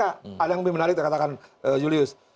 ada yang lebih menarik saya katakan julius